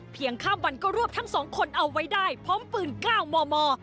เพียงข้ามวันก็รวบทั้งสองคนเอาไว้ได้พร้อมปืนก้าวมอ